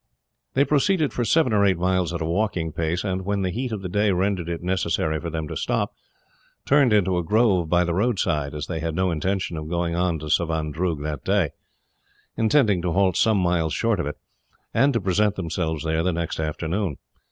They proceeded for seven or eight miles at a walking pace, and when the heat of the day rendered it necessary for them to stop, turned into a grove by the roadside, as they had no intention of going on to Savandroog that day, intending to halt some miles short of it, and to present themselves there the next afternoon.